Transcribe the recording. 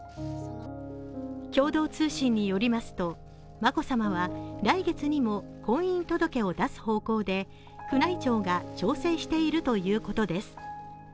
共同通信によりますと、眞子さまは来月にも婚姻届を出す方向で宮内庁が調整しているということです。